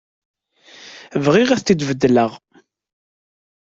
Bɣiɣ ad t-id-beddleɣ.